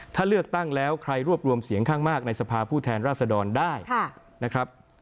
ถ้าเลือกตั้งแล้วใครรวบรวมเสียงข้างมากในสภาผู้แทนราษดรได้นะครับ